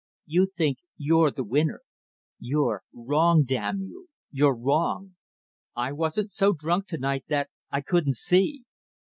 You think you're the winner. You're wrong damn you you're wrong. I wasn't so drunk to night that I couldn't see."